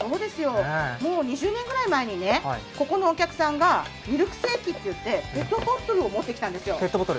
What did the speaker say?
もう２０年くらい前にここのお客さんが、ミルクセーキって言ってペットボトルを持ってきたんですよ。